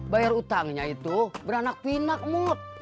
bayar utangnya itu beranak pinak mood